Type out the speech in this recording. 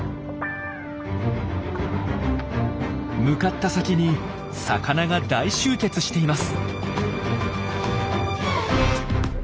向かった先に魚が大集結しています。